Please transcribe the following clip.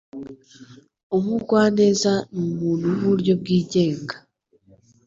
Umugwaneza numuntu wuburyo bwigenga.